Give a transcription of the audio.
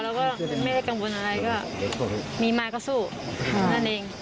แล้วก็ไม่ได้กังวลอะไรก็มีมาก็สู้นั่นเอง